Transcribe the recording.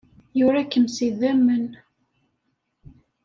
Yura-kem s yidammen.